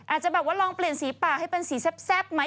อาจจะแบบว่าลองเปลี่ยนสีปากให้เป็นสีแซ่บไหม